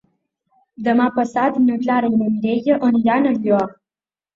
Demà passat na Clara i na Mireia aniran al Lloar.